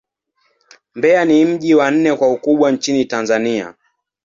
Mbeya ni mji wa nne kwa ukubwa nchini Tanzania.